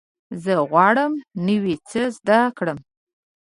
زه غواړم نوی څه زده کړم.